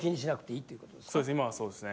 そうですね。